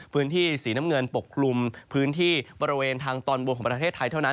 พื้นที่สีน้ำเงินปกคลุมพื้นที่บริเวณทางตอนบนของประเทศไทยเท่านั้น